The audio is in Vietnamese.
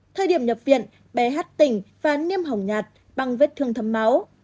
thời điểm nhập viện bé hát tỉnh và niêm hồng nhạt bằng vết thương thấm máu